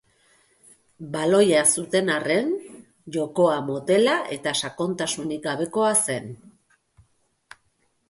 Baloia zuten arren, jokoa motela eta sakontasunik gabekoa zen.